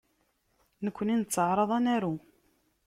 Nekni nettaεraḍ ad naru.